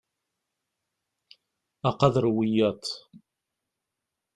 Aqader n wiyaḍ.